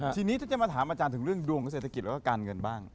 ทีนี้ถ้าจะมาถามอาจารย์ถึงเรื่องดวงของเศรษฐกิจแล้วก็การเงินบ้าง